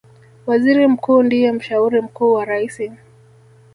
Waziri Mkuu ndiye mshauri mkuu wa Raisi